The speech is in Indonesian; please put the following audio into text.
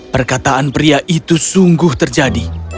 perkataan pria itu sungguh terjadi